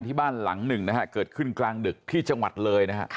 ที่บ้านหลังหนึ่งนะฮะเกิดขึ้นกลางดึกที่จังหวัดเลยนะฮะ